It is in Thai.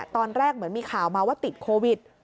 ตอนแรกเหมือนมีข่าวมาว่าติดโควิด